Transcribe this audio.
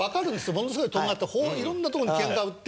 ものすごいとんがった色んなとこにケンカ売って。